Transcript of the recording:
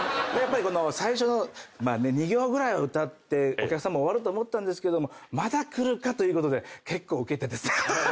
最初の２行ぐらいを歌ってお客さんも終わると思ったんですけどもまだくるかということで結構ウケてですね。